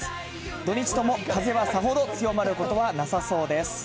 土日とも風はさほど強まることはなさそうです。